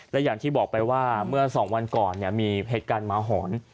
และอย่างที่บอกไปว่าเมื่อ๒วันก่อนมีเหตุการณ์หมาหอน